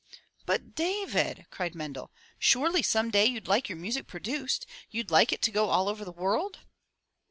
"But, David," cried Mendel. "Surely some day you'd like your music produced — you'd like it to go all over the world?"